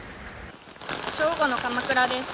正午の鎌倉です。